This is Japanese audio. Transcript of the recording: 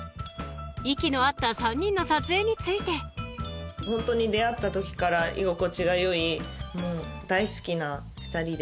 息の合った３人の撮影についてホントに出会った時から居心地が良い大好きな２人で。